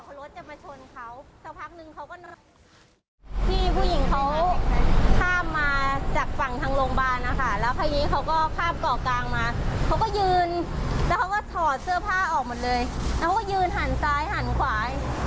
ระวังนะเขาติดโควิด๑๙ด้วยอะไรอย่างนี้